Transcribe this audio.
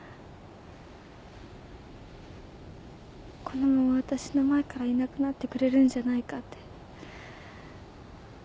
このままわたしの前からいなくなってくれるんじゃないかって。